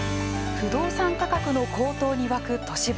不動産価格の高騰に沸く都市部。